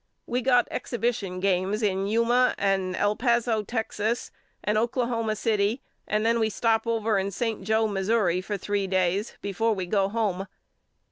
We got exhibition games in Yuma and El Paso, Texas, and Oklahoma City and then we stop over in St. Joe, Missouri, for three days before we go home.